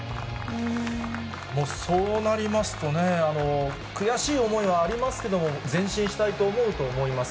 もう、そうなりますとね、悔しい思いはありますけども、前進したいと思うと思います。